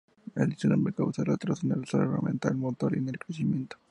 El síndrome causa retraso en el desarrollo mental, motor y en el crecimiento.